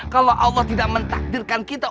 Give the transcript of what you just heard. kalau allah tidak mentakdirkan kita